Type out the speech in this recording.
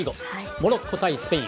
モロッコ対スペイン。